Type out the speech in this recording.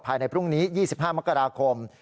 ภายในพรุ่งนี้๒๕มกราคม